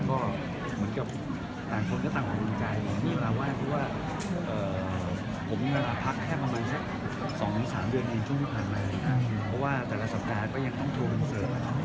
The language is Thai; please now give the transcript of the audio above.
เพราะว่าแต่ละสัปดาห์ก็ยังต้องโทรกันเสิร์ฟ